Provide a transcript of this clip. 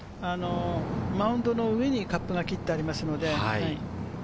マウンドの上にカップが切ってありますので。